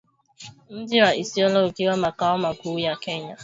Mji wa Isiolo ukiwa makao makuu ya Kenya